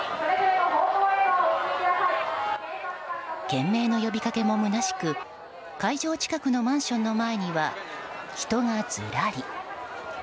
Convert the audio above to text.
懸命の呼びかけもむなしく会場近くのマンションの前には人がずらり。